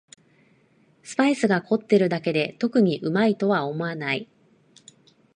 スパイスが凝ってるだけで特にうまいと思わない